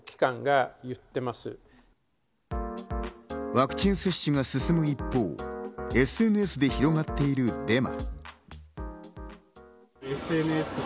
ワクチン接種が進む一方、ＳＮＳで広がっているデマ。